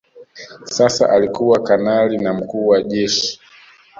Sasa alikuwa kanali na mkuu wa Jeshi